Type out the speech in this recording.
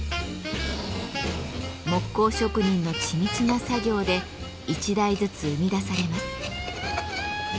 木工職人の緻密な作業で一台ずつ生み出されます。